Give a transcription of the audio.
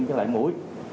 với lại mũi